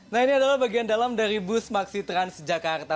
nah ini adalah bagian dalam dari bus maksi transjakarta